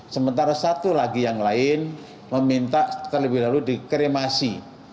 sementara satu lagi yang lain meminta terlebih dahulu dikremasi